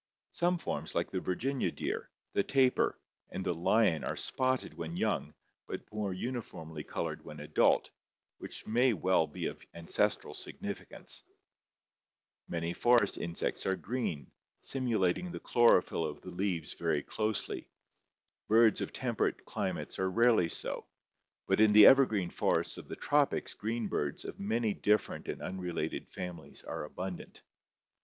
Some forms like the Virginia deer, the tapir, and the lion are spotted when young but more uniformly colored when adult, which may well be of ancestral significance. Many forest insects are green, simulating COLORATION AND MIMICRY 235 the chlorophyl of the leaves very closely. Birds of temperate climates are rarely so, but in the ever green forests of the tropics green birds of many different and unrelated families are abundant.